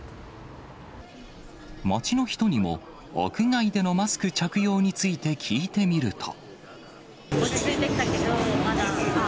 街の人にも、屋外でのマスク着用について聞いてみると。